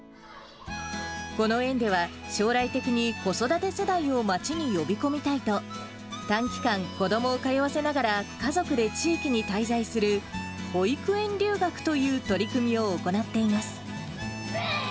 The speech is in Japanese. この園では、将来的に子育て世代を町に呼び込みたいと、短期間、子どもを通わせながら家族で地域に滞在する保育園留学という取り組みを行っています。